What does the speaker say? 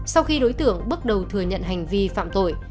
sau khi đối tượng bước đầu thừa nhận hành vi phạm tội